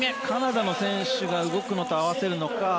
カナダの選手が動くのに合わせるのか。